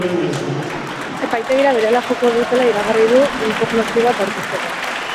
Epaitegira berehala joko dutela iragarri du, inpugnazio bat aurkezteko.